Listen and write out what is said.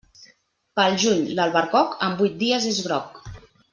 Pel juny, l'albercoc, en vuit dies és groc.